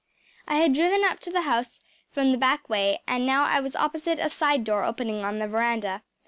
I had driven up to the house from the back way and now I was opposite a side door opening on the veranda.